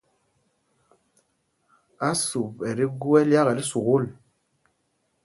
Ásup ɛ tí gú ɛ́lyákɛl sukûl.